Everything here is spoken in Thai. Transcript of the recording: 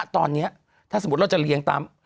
ตอนนี้ถ้าสมมุติเราจะเลี้ยงตาม